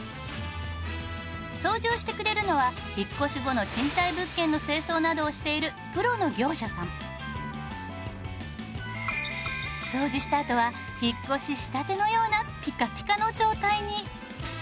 掃除をしてくれるのは引っ越し後の賃貸物件の清掃などをしている掃除したあとは引っ越ししたてのようなピカピカの状態に。